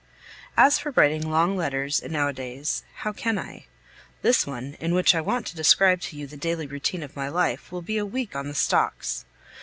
As for writing long letters nowadays, how can I. This one, in which I want to describe to you the daily routine of my life, will be a week on the stocks.